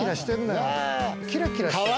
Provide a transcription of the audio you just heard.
キラキラして。